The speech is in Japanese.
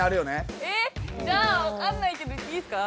えっじゃあ分かんないけどいっていいっすか。